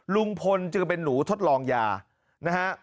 ลุงพลจึงเป็นหนูทดลองยานะฮะ